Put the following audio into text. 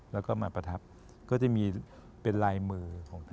แล้วก็มาประทับก็จะมีเป็นลายมือของท่าน